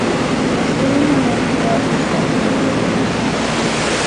Yesterday my wife bought herself new pillows.